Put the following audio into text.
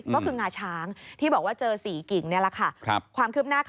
ก็คือการ์ช้างที่บอกว่าเจอสี่กิ๊งเนี่ยละค่ะ